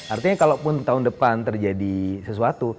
artinya kalau pun tahun depan terjadi sesuatu